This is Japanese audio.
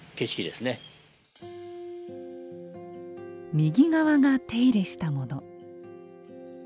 右側が手入れしたもの。